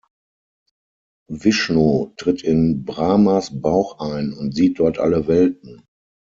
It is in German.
Vishnu tritt in Brahmas Bauch ein und sieht dort alle Welten.